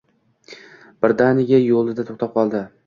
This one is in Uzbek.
Birdaniga yoʻlida toʻxtab qoldi.